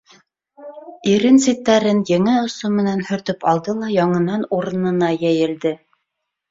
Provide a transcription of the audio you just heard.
Ирен ситтәрен еңе осо менән һөртөп алды ла яңынан урынына йәйелде.